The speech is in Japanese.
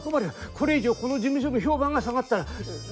これ以上この事務所の評判が下がったら。